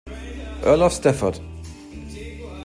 Earl of Stafford